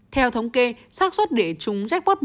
theo thống kê sát xuất để chung jackpot một